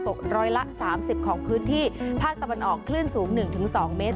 ตกร้อยละสามสิบของพื้นที่ภาคตะบันออกคลื่นสูงหนึ่งถึงสองเมตร